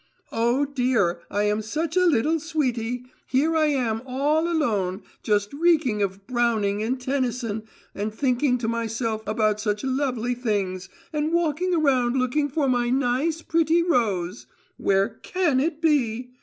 "Oh, dear, I am such a little sweety! Here I am all alone just reeking with Browning and Tennyson and thinking to myself about such lovely things, and walking around looking for my nice, pretty rose. Where can it be?